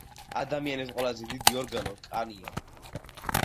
ადამიანის ყველაზე დიდი ორგანო კანია